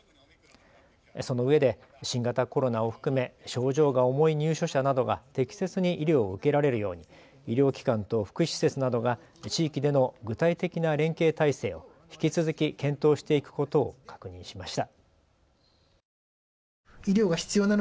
そのうえで新型コロナを含め症状が重い入所者などが適切に医療を受けられるように医療機関と福祉施設などが地域での具体的な連携体制を引き続き検討していくことを確認しました。